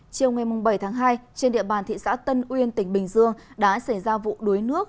chiều ngày bảy tháng hai trên địa bàn thị xã tân uyên tỉnh bình dương đã xảy ra vụ đuối nước